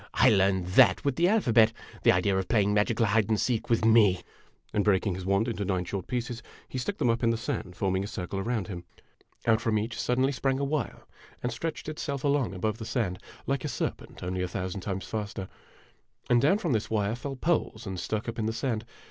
"I learned that with the alphabet. The idea of playing magical hide and seek with me !" and breaking his wand into nine short pieces, he stuck them up in the sand, forming a circle around him. Out from each sud denly sprang a wire and stretched itself along above the sand, like a serpent, only a thousand times faster ; and down from this wire fell poles and stuck up in the sand.